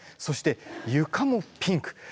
そしてゆかもピンク。